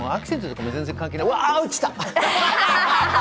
うわ、落ちた。